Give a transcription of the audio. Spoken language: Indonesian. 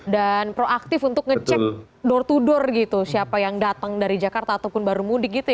dan proaktif untuk ngecek door to door gitu siapa yang datang dari jakarta ataupun baru mudik gitu ya